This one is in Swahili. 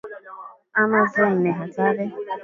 Amazon ni hatari kupita maelezo lakini ghafla